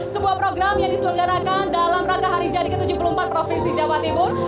sebuah program yang diselenggarakan dalam rangka hari jadi ke tujuh puluh empat provinsi jawa timur